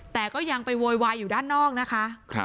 แต่ก็ยังไปโวยวายอยู่ด้านนอกนะคะ